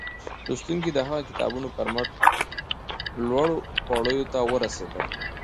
لوستونکي د هغه د کتابونو پر مټ لوړو پوړيو ته ورسېدل